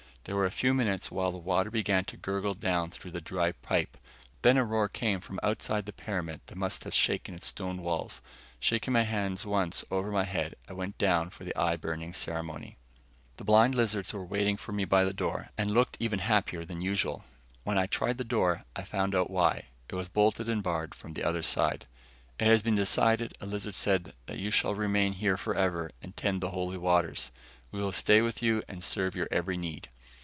There were a few minutes while the water began to gurgle down through the dry pipe. Then a roar came from outside the pyramid that must have shaken its stone walls. Shaking my hands once over my head, I went down for the eye burning ceremony. The blind lizards were waiting for me by the door and looked even unhappier than usual. When I tried the door, I found out why it was bolted and barred from the other side. "It has been decided," a lizard said, "that you shall remain here forever and tend the Holy Waters. We will stay with you and serve your every need."